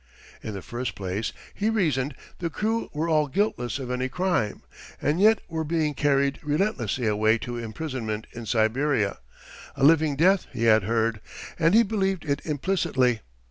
In the first place, he reasoned, the crew were all guiltless of any crime, and yet were being carried relentlessly away to imprisonment in Siberia—a living death, he had heard, and he believed it implicitly.